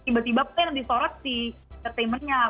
tiba tiba perihal disorot si entertainmentnya